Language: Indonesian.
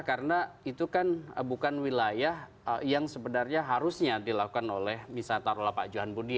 karena itu kan bukan wilayah yang sebenarnya harusnya dilakukan oleh misal taruh oleh pak johan budi